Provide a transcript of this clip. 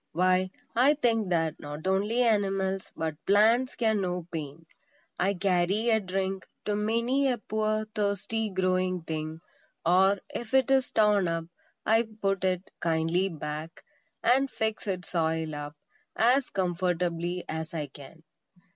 Why, I think that not only animals, but plants can know pain. I carry a drink to many a poor, thirsty growing thing; or, if it is torn up I put it kindly back, and fix its soil up as comfortably as I can.